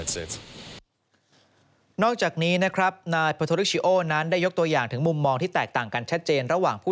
สำหรับสถานการณ์และสถานการณ์